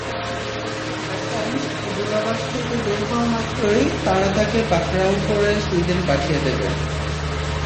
Assange দূতাবাস থেকে বের হওয়ামাত্রই তারা তাঁকে পাকড়াও করে সুইডেন পাঠিয়ে দেবে।